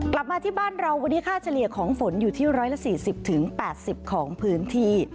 กลับมาที่บ้านเราวันนี้ค่าเฉลี่ยของฝนอยู่ที่๑๔๐๘๐ของพื้นที่